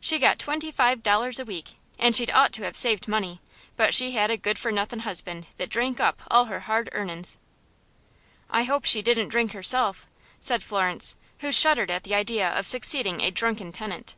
"She got twenty five dollars a week, and she'd ought to have saved money, but she had a good for nothin' husband that drank up all her hard earnin's." "I hope she didn't drink herself," said Florence, who shuddered at the idea of succeeding a drunken tenant.